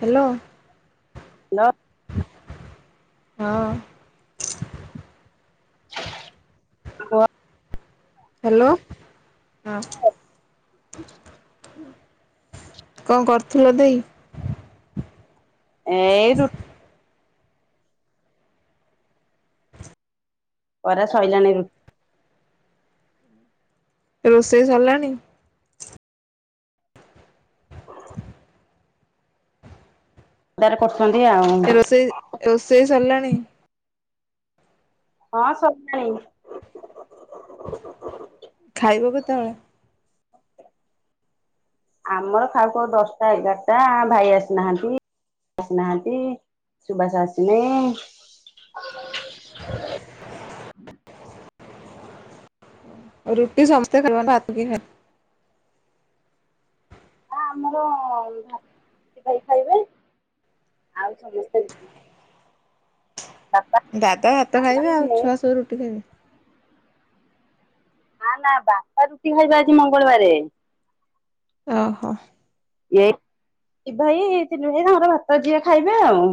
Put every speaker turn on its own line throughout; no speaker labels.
Hello.
ଲ
ହଁ।
ହ [unintelligible]
ହ୍ୟାଲୋ ହଁ। କଣ କରୁଥିଲ ଦେଇ?
ଏଇ ରୁ କରା ଶଇଲାଣି ରୁଟି।
ରୋଷେଇ ସଇଲାଣି?
ତାର କରୁଛନ୍ତି ଆଉ।
ରୋଷେଇ ରୋଷେଇ ସଲାଣି?
ହଁ ସଫେଇ
ଖାଇବ କେତେଳେ?
ଆମର ଖାଉ ଖାଉ ଦଶଟା ଏଗାରଟା ଭାଇ ଆସିନାହାନ୍ତି। ଆସିନାହାନ୍ତି ସୁବାସ ଆସିିନୀ
ରୁଟି ସ ସମସ୍ତେ ଖର ବା [unintelligible] ତୁ କି
ଆମର ଭା ଭାଇ ଖାଇବେ ଆଉ ସମସ୍ତେ ରୁଟି।
ଦାଦା ଭାତ ଖାଇବେ ଆଉ
ମୁଁ
ଛୁଆ ସବୁ ରୁଟି ଖାଇବେ।
ନା ନା ବାପା ରୁଟି ଖାଇବେ ଆଜି ମଙ୍ଗଳବାର।
ଅହ।
ଏ ଦି ଭାଇ ତିନି ଭାଇ ତାଙ୍କର ଭାତ ଯିଏ ଖାଇବେ ଆଉ।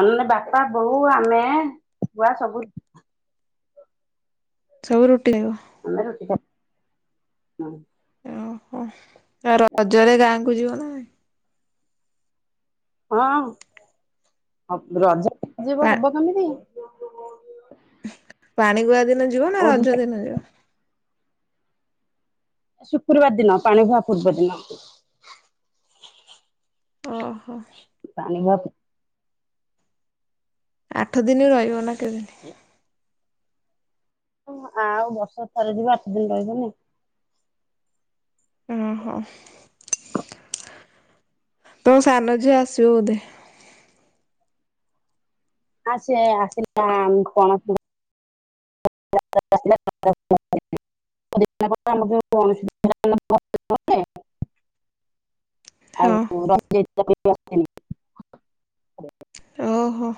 ଆମେ ବାପା ବଉ ଆମେ ପୁଆ ସବୁ
ସବୁ ରୁଟି ଆଇବ।
ଆମେ ରୁଟି ହଁ [unintelligible]
ଓହୋ ଆଉ ରଜରେ ଗାଁ କୁ ଯିବ ନା ନାଇ?
ହଁ ରଜ ହ
ପା
ନଯିବ ହବ କେମିତି?
ପାଣି ଗୁଆ ଦିନ ଯିବ ନା ରଜ
ଓଡିଶା
ଦିନ ଯିବ?
ଶୁକ୍ରବାର ଦିନ ପାଣି ବୁହା ପୂର୍ବ ଦିନ।
ଓହୋ।
ପାଣି ବୁହା ପୂ
ଆଠ ଦିନ ରହିବ ନା କେଦିନ?
ସେ [unintelligible] ଆଉ ବର୍ଷ କେ ଥରେ ଯିବୁ ଆଠ ଦିନି ରହିବୁନି?
ଓହୋ ତ ସାନ ଝିଅ ଆସିବ ବୋଧେ?
ଆ ସିଏ ଆସିଲା କଣସ [unintelligible] [unintelligible] [inaudible]
ହଁ।
ଆଉ ରଞ୍ଜ ଆନି [inaudible]
ଓହୋ।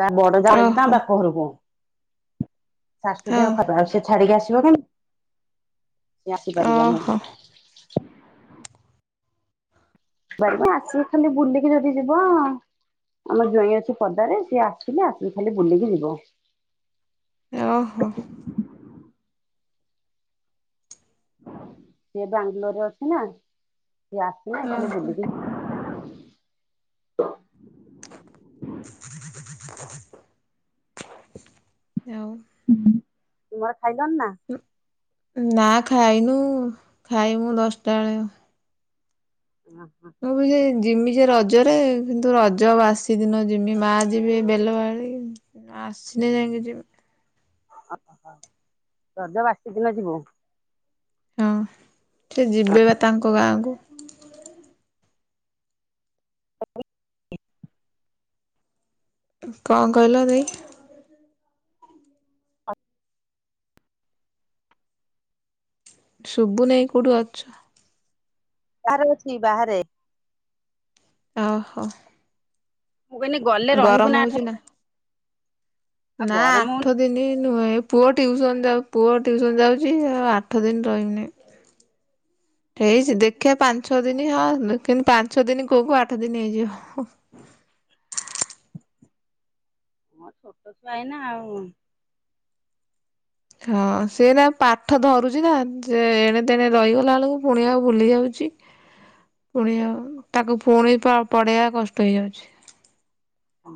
ତା ବଡ ଜା ଯାଇଛନ୍ତି ତାଙ୍କ
ଓହୋ
ବାପ ଘରକୁ ଶାଶୁ
ହଁ
ଦେହ ଖରାପ ସେ ଛାଡିକି ଆସିବ କେମିତି ସେ ଆସିପାରିବ ନି।
ଓହୋ
ବରଂ ଆସିକି ଖାଲି ବୁଲିକି ଯଦି ଯିବ ଆମ ଜ୍ୱାଇଁ ଅଛି ପଦାରେ ସିଏ ଆସିଲେ ଆସିକି ଖାଲି ବୁଲିକି ଯିବ।
ଓହୋ।
ସିଏ ବାଙ୍ଗାଲୋରରେ ଅଛି ନା ସିଏ ଆସିନେ ଖାଲି
ଓହୋ।
ବୁଲିକି
ଆଉ
ତୁମର ଖାଇଲନି ନା?
ନା ଖାଇନୁ ଖାଇମୁ ଦଶଟା ବେଳେ।
ହଁ ହଁ।
ଭାବୁଛି ଜିମି ଯେ ରଜରେ କିନ୍ତୁ ରଜ ବାସି ଦିନ ଯିମି ମା ଯିବେ ବେଲ ବାଳି ଆସିଲେ ଯାଇଁ ଜିମି।
ଓହୋ ରଜ ବାସି ଦିନ ଯିବୁ।
ହଁ ସେ ଯିବେ ବା ତାଙ୍କ ଗାଁକୁ।
[inaudible]
କଣ କହିଲ ଦେଇ। ଶୁଭୁନେଇ କୋଉଠି ଅଛ।
ବାହାରେ ଅଛି ବାହାରେ।
ଓହୋ।
ମୁଁ କହିଲି ଗଲେ ରହିବୁ
ଗରମ
ଆଠ
ହଉଛି ନା
ଆଉ
ନା
ଗରମ ହଉନି
ଆଠ ଦିନ ନୁହେଁ। ପୁଅ ଟ୍ୟଉସନ୍ ଯାଉ ପୁଅ ଟ୍ୟଉସନ୍ ଯାଉଛି ଆଉ ଆଠ ଦିନ ରହିମି ନେଇଁ। ହେଇ ସେ ଦେଖିଆ ପାଁ ଞ୍ଚ ଦିନ ହଁ ଦିନ କିନ୍ତୁ ପାଞ୍ଚ ଦିନ କହୁ କହୁ ଆଠ ଦିନ ହେଇଯିବ।
ଆ ଛୋଟ ଛୁଆ ଏଇନା ଆଉ।
ହଁ ସେ ଏଇନା ପାଠ ଧରୁଛି ନା ସେ ଏଣେ ତେଣେ ରହିଗଲା ବେଳକୁ ପୁଣି ଆକୁ ଭୁଲି ଯାଉଛି। ପୁଣି ଆଉ ତାକୁ ପୁଣି ପ ପଢେଇବା କଷ୍ଟ ହେଇଯାଉଛି।
ହଁ।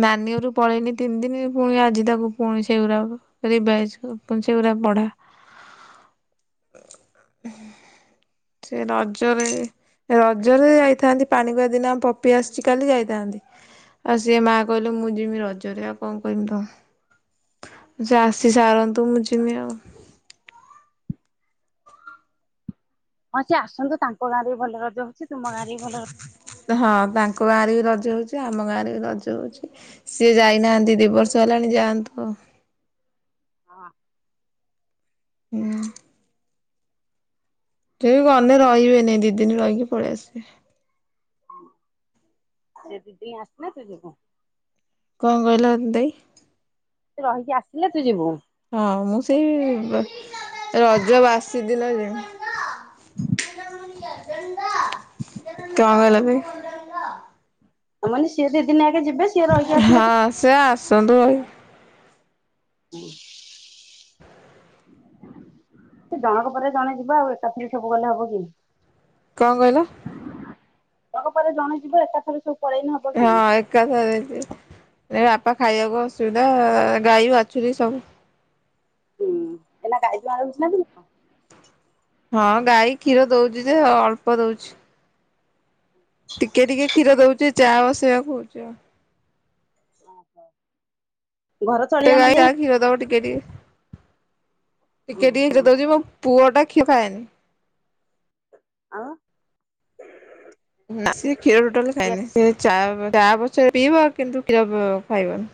ନାନି ଘରୁକୁ ପଳେଇନି ତିନି ଦିନ ପୁଣି ଆଜି ତାକୁ ପୁଣି ସେଇରାକ ରିଭାଇଜ କରୁ ପୁଣି ସେଗୁରା ପଢା। ସେ ରଜରେ। ରଜରେ ଯାଇଥାନ୍ତି ପାଣିଗୁଆ ଦିନ ଆମ ପପି ଆସିଛି କାଲି ଯାଇଥାନ୍ତି। ଯେ ମାଆ କହିଲେ ମୁଁ ଯିମି ରଜରେ ଆଉ କଣ କହିିମି ତାଙ୍କୁ। ଯା ଆସି ସାରନ୍ତୁ ମୁଁ ଯିମି ଆଉ।
ହଁ ସେ ଆସନ୍ତୁ ତାଙ୍କ ଗାଁରେ ବି ଭଲ ରଜ ହଉଛି। ତୁମ ଗାଁରେ ବି ଭଲ
ହଁ ତାଙ୍କ ଗାଁରେ ବି ରଜ ହଉଛି ଆମ ଗାଁରେ ବି ରଜ ହଉଛି। ସିଏ ଯାଇନାହାନ୍ତି ଦିଇ ବର୍ଷ ହେଲାଣି ଯାଆନ୍ତୁ ଆଉ।
ହଁ।
ହୁଁ। ସିଏ ଗନେ ରହିବେନି ଦି ଦିନ ରହିକି ପଳେଇ ଆସିବେ।
ସେ ଯଦି ଆସିଲେ ତୁ ଯିବୁ।
କଣ କହିଲ ଦେଇ।
ସେ ରହିକି ଆସିଲେ ତୁ ଯିବୁ।
ହଁ ମୁଁ ସେଇ ର ରଜ ବାସିଦିନ ଯିମି। କଣ କହିଲ ଦେଇ।
ତା ମାନେ ସିଏ ଦି ଦିନ ଆଗେ ଯିବେ ସିଏ ରହିକି ଆସିଲେ
ହଁ
ତୁ
ସେ ଆସନ୍ତୁ ଆଉ।
ହୁଁ। ସେ ଜଣଙ୍କ ପରେ ଜଣେ ଯିବ ଆଉ ଏକାଥରେ ସବୁ ଗଲେ ହବ କି।
କଣ କହିଲ।
ଜଣ ଙ୍କ ପରେ ଜଣେ ଯିବ ଏକା ଥରେ ସବୁ ପଳେଇନେ ହବ କି।
ଏକା ଥରକେ ଏ ବାପା ଖାଇବାକୁ ଅସୁବିଧା ଗାଈ ବାଛୁରି ସବୁ
ହୁଁ ଏଇନା ଗାଈ ଦୁହଁଳ ହଉଚିନା ବେ ନା।
ହଁ ଗାଈ କ୍ଷୀର ଦଉଛି ଯେ ଅଳ୍ପ ଦଉଛି। ଟିକେ ଟିକେ କ୍ଷୀର ଦଉଚି ଚା ବସେଇବାକୁ ହଉଚି ଆଉ।
ଓହୋ।
ଗୋଟେ ଗାଈ ରା କ୍ଷୀର ଦବ ଟିକେ ଟିକେ।
ହୁଁ
ଟିକେ ଟିକେ
ହୁଁ
ଖୀର ଦଉଚି। ମୋ ପୁଅ ଟା କ୍ଷୀର ଖାଏନି।
ଆଉ
ନା ସେ କ୍ଷୀର ଟୋଟାଲି
କିଏ
ଖାଏନି, ସେ ଚା ଚା ପଛେ ପିଇବ, କିନ୍ତୁ କ୍ଷୀର ଖାଇବନି।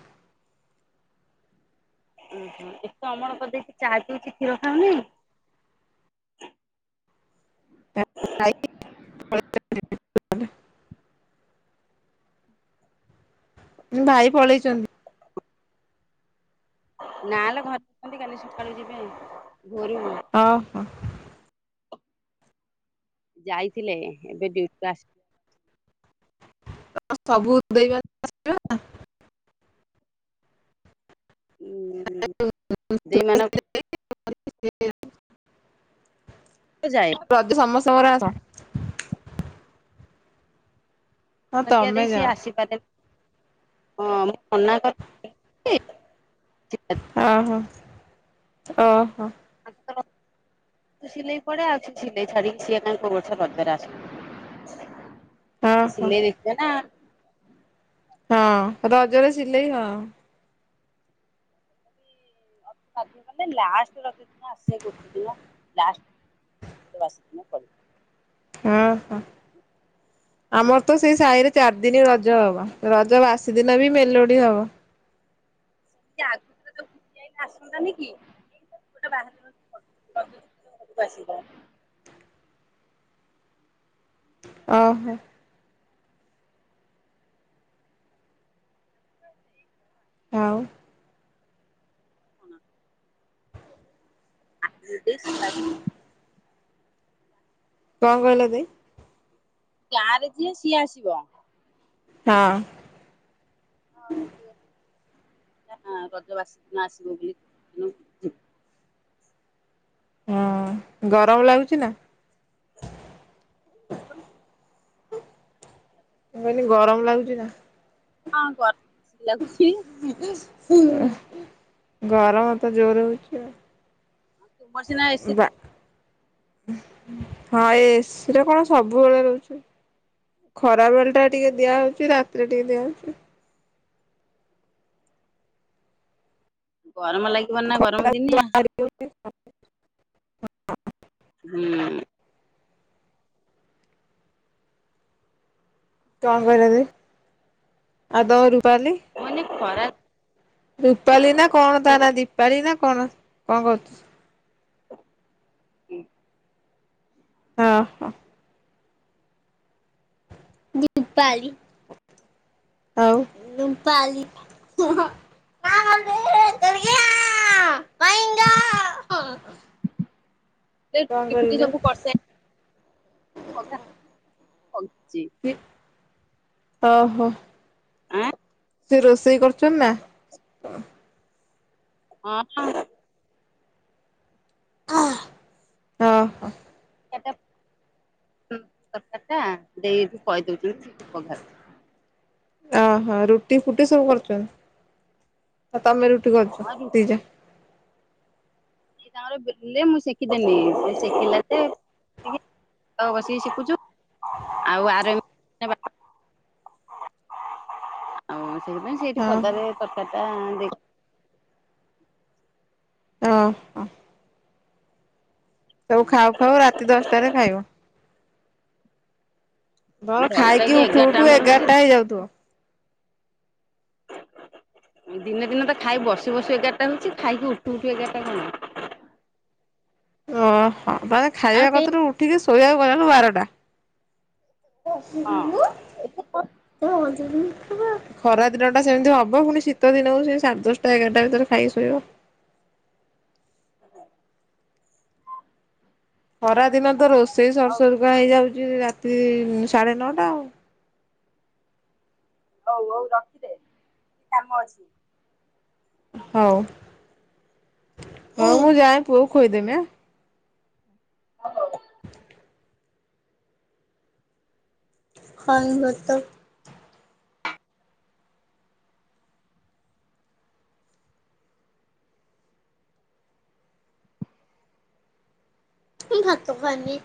ଓହୋ ଏତେ ଅମଳ କରିଦେଇଚି ଚା ପିଉଛି କ୍ଷୀର ଖାଉନି।
[unintelligible] ଭାଇ ପଳେଇଛନ୍ତି?
ନାଲୋ ଘରେ ଅଛନ୍ତି କାଲି ସକାଳୁ ଯିବେ। ଭୋରୁ ବୁଲି।
ଓହୋ
ଯାଇଥିଲେ ଏବେ ଡ଼ିୟ୍ଯୁଟିରୁ ଆସ୍
[unintelligible]
ଉଁ ଦେଇ ମାନଙ୍କ
[unintelligible]
ତ ଯାଏ।
ରଜ ସମସ୍ତଙ୍କର ଆସ। ହଁ
ଆଜ୍ଞା
ତମେ
ଦେଇ ସିଏ
ଯାଅ
ଆସିପାରିଲେନି। ହଁ ମୁଁ ମନା କଲି
ହଁ ହଁ ଓହୋ।
[unintelligible] ସିଲେଇ
ଓହୋ
ଦେଖିତେ ନା?
ହଁ ରଜରେ ସିଲେଇ ହଁ।
କଲେ ଲାଷ୍ଟ ରଜ ଦିନ ଆସିବେ ଗୋଟେ ଦିନ ଲାଷ୍ଟ ଆସି ଦିନ [unintelligible] [unintelligible]
ହଁ ହଁ ଆମର ତ ସେଇ ସାହିରେ ଚାରି ଦିନ ରଜ ହବ। ରଜ ବାସି ଦିନ ବି ମେଲୋଡି ହବ।
[unintelligible] ଆସନ୍ତାନି କି? [unintelligible]
ଓହୋ ଆଉ
କଣ [unintelligible]
କଣ କହିଲ ଦେ
ଗାଁ ରେ ଯିଏ ସିଏ ଆସିବ।
ହଁ
[unintelligible]
ହଁ ଗରମ ଲାଗୁଚି ନା?
[inaudible]
ମୁଁ କହିଲି ଗରମ ଲାଗୁଚି ନା?
ହଁ ଗରମ ଲାଗୁଚି।
ଗରମ ତ ଜୋରେ ହଉଚି ଆଉ।
ତୁମର ସିନା ଏସି
ବା ହଁ ଏ ଏସି ରେ କଣ ସବୁବେଳେ ରହୁଚୁ? ଖରାବେଳେ ଟା ଟିକେ ଦିଆହଉଚି। ରାତିରେ ଟିକେ ଦିଆହଉଚି।
ଗରମ ଲାଗିବନି ନା ଗରମ ଦିନିଆ।
କଣ
ହୁଁ
କଣ କହିଲ ଦେଇ? ଆଉ ତମ ରୁୂପାଲି?
ମୁଁ କହିନି ଖରା
ରୂପାଲି ନା କଣ ତା ନା? ଦୀପାଳି ନା କଣ? କଣ କରୁଚି?
[inaudible]
ହଁ ହଁ। ଦୀପାଲି ଆଉ ରୂପାଲି [unintelligible] କହିଲୁନି
[unintelligible]
କି ଓହୋ।
ଆ
ସେ ରୋଷେଇ କରୁଚନ୍ତି ନା?
ହଁ।
ଓ ହୋ
[unintelligible]
ଓହୋ ରୁଟି ଫୁଟି ସବୁ କରୁଚନ୍ତି ଆଉ ତମେ ରୁଟି କରୁଚ
ହଁ ରୁଟି
ଦିଜା
ତାଙ୍କର ବେଲିଲେ ମୁଁ ଶେକିଦେଲିି ସେ ଶେକିଲା ଯେ ଆଉ ବସିକି ଶେକୁଚୁ ଆଉ ଆର
[inaudible]
ଆଉ ସେଇଥିପାଇଁ ସେଇଠି
ହଁ
ପଦାରେ ତରକାର ଟା ଦେଇ
ଓ ହ ଖାଉ ଖାଉ ରାତି ଦଶଟାରେ ଖାଇବ।
ଟା
ଧର
ଦଶଟା
ଖାଇକି
କି
ଉଠୁ
ଏଗାରଟା
ଉଠୁ
ଆମର
ଏଗାରଟା
ହଉଛି
ହେଇଯାଉଥିବ।
ଦିନେ ଦିନ ତ ଖାଇ ବସି ବସି ଏଗାରଟା ହେଉଛି ଖାଇକି ଉଠୁ ଉଠୁ ଏଗାରଟା କଣ।
ଓହୋ ମାନେ
ଆଉ
ଖାଇବା
କେହି
କର୍ତ ରୁ ଉଠିକି ଶୋଇବାକୁ ଗଲା ବେଳକୁ ବାରଟା।
ହଁ
[unintelligible] ଖରା ଦିନଟା ସେମିତି ହବ ପୁଣି ଶୀତ ଦିନ ହଉ ସେ ସାଢ଼େ ଦଶଟା ଏଗାରଟା ଭିତରେ ଖାଇକି ଶୋଇବ।
[inaudible]
ଖରାଦିନ ତ ରୋଷେଇ
ହଉ
ସରସରକା ହେଇଯାଉଛି ରାତି ସାଢେ ନଅଟା ଆଉ।
ହଉ ହଉ ରଖିଦେ ଟିକେ କାମ ଅଛି।
ହଉ ହଉ ମୁଁ ଯାଏ ପୁଅକୁ ଖୁଏଇ ଦେମି ଆ
ହ ହଉ।
[unintelligible] ଭାତ ଖାଇବି।